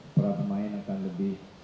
para pemain akan lebih